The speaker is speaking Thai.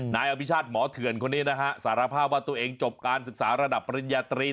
นายอภิชาติหมอเถื่อนคนนี้นะฮะสารภาพว่าตัวเองจบการศึกษาระดับปริญญาตรี